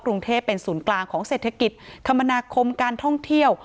กรุงเทพเป็นศูนย์กลางของเศรษฐกิจคมนาคมการท่องเที่ยว